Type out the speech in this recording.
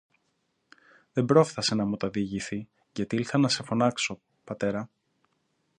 Δεν πρόφθασε να μου τα διηγηθεί, γιατί ήλθα να σε φωνάξω, Πατέρα.